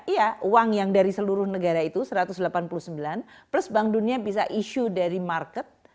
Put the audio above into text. iya uang yang dari seluruh negara itu satu ratus delapan puluh sembilan plus bank dunia bisa issue dari market